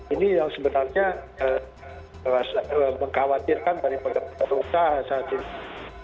ini yang sebenarnya mengkhawatirkan dari pengguna usaha saat ini